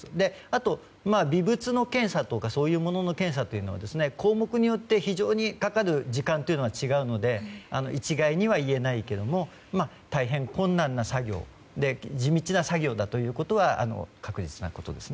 あと微物の検査とかそういうものの検査というのは項目によって非常にかかる時間というのは違うので一概には言えないというのも大変、困難な作業で地道な作業だということは確実なことです。